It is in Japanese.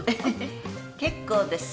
結構です。